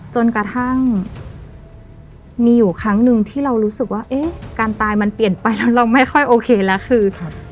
จนกระทั่งมีอยู่ครั้งหนึ่งที่เรารู้สึกว่าเอ๊ะการตายมันเปลี่ยนไปแล้วเราไม่ค่อยโอเคแล้วคือ